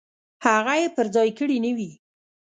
هغه یې پر ځای کړې نه وي.